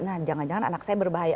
nah jangan jangan anak saya berbahaya